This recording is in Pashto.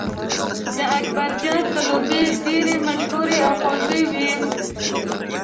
د اکبرجان ځلوبۍ ډېرې مشهورې او خوږې وې.